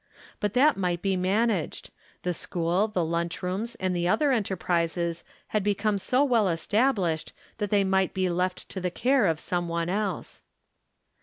But that might be managed; the school, the lunch rooms and other enterprises had become so well established that they might be left to the care of some one else.